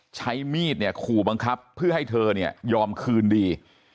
ใช้มีดเนี่ยขู่บังคับเพื่อให้เธอเนี่ยยอมคืนดี